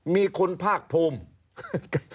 มีคุณภาคภูมิ